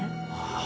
ああ。